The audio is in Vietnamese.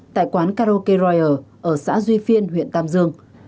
tại quán karaoke roier ở xã duy phiên huyện tam dương